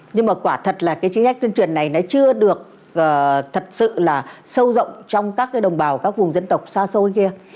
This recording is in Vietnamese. nhưng mà quả thật là cái chính sách tuyên truyền này nó chưa được thật sự là sâu rộng trong các đồng bào các vùng dân tộc xa xôi kia